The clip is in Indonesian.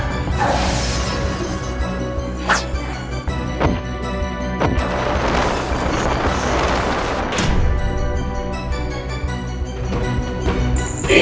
kita akan mem averempah